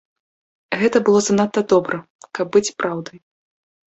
Гэта было занадта добра, каб быць праўдай.